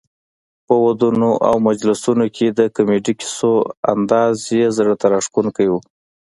په ودونو او مجلسونو کې د کمیډي کیسو انداز یې زړه ته راښکوونکی وو.